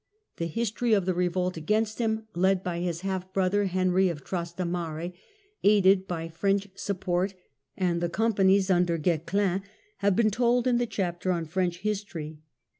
The history of the revolt against him led by his half brother Henry of Trastamare, aided by French support and the Com panies under Guesclin, has been told in the chapter on French History.